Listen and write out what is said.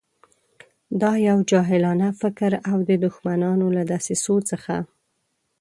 دا یو جاهلانه فکر او د دښمنانو له دسیسو څخه.